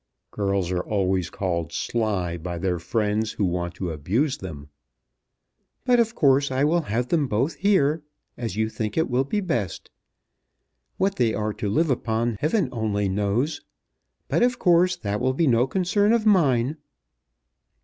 Girls are always called sly by their friends who want to abuse them. "But of course I will have them both here, as you think it will be best. What they are to live upon Heaven only knows. But of course that will be no concern of mine."